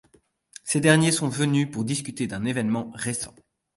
Ces derniers sont venus pour discuter d'un événement récent.